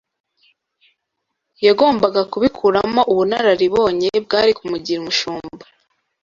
yagombaga kubikuramo ubunararibonye bwari kumugira umushumba